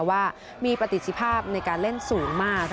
ว่ามีประสิทธิภาพในการเล่นสูงมากค่ะ